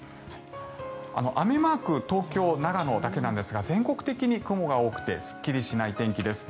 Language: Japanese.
雨マーク東京、長野だけなんですが全国的に雲が多くてすっきりしない天気です。